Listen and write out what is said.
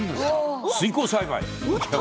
水耕栽培。